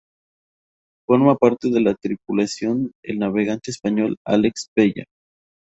Forma parte de la tripulación el navegante español Alex Pella.